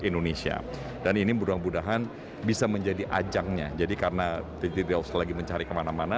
indonesia dan ini mudah mudahan bisa menjadi ajangnya jadi karenaus lagi mencari kemana mana